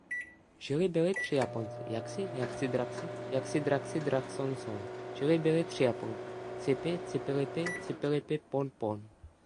Žili byli tři Japonci: Jaxi, Jaxidraxi, Jaxidraxidraxonson. Žili byly tři Japonky: Cipi, Cipilipi, Cipilipiponpon.